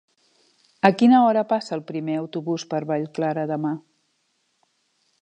A quina hora passa el primer autobús per Vallclara demà?